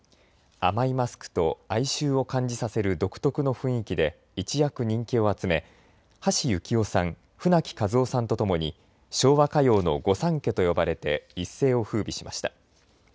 甘いマスクと哀愁を感じさせる独特の雰囲気で一躍人気を集め橋幸夫さん、舟木一夫さんとともに昭和歌謡の御三家と呼ばれて一世をふうびしました。